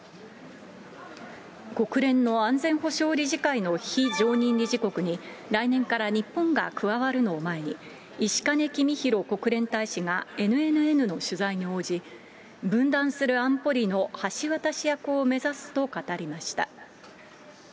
国連の安全保障理事会の非常任理事国に、来年から日本が加わるのを前に、石兼きみひろ国連大使がＮＮＮの取材に応じ、分断する安保理の橋渡し役を目指すと語りました。